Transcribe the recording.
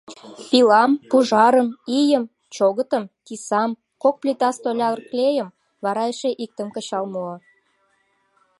Пилам, пужарым, ийым, чӧгытым, тисам, кок плита столяр клейым, вара эше иктым кычал муо.